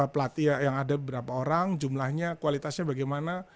pelatih yang ada berapa orang jumlahnya kualitasnya bagaimana